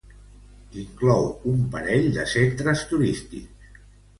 Inclou un parell de centres turístics.